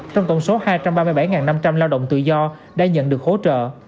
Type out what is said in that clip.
trong tổng số hai trăm ba mươi bảy năm trăm linh lao động tự do đã nhận được hỗ trợ